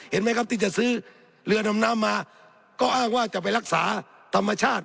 เห็นไหมครับที่จะซื้อเรือดำน้ำมาก็อ้างว่าจะไปรักษาธรรมชาติ